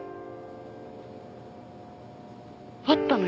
会ったの？